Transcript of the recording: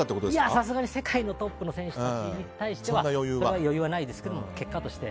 さすがに世界のトップの選手に対してはそれは余裕はないですが結果として。